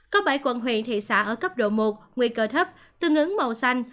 có bảy quận huyện thị xã ở cấp độ một nguy cơ thấp tương ứng màu xanh